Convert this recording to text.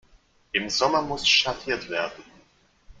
Im Sommer muss schattiert werden.